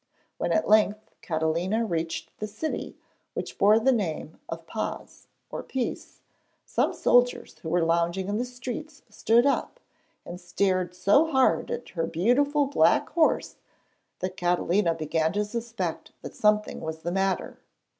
When at length Catalina reached the city, which bore the name of Paz or 'Peace,' some soldiers who were lounging in the streets stood up, and stared so hard at her beautiful black horse that Catalina began to suspect that something was the matter.